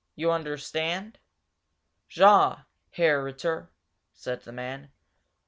You understand?" "Ja, Herr Ritter!" said the man.